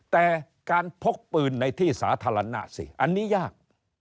แต่การพกปืนในที่สาธารณะสิอันนี้ยาก